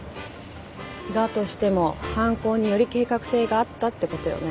だとしても犯行により計画性があったって事よね？